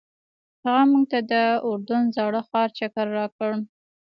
هغه موږ ته د اردن زاړه ښار چکر راکړ.